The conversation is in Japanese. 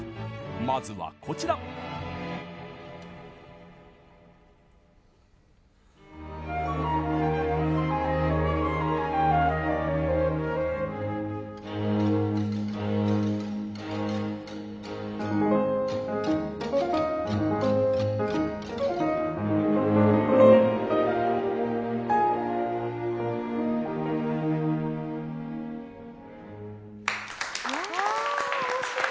まずはこちら！わ面白い。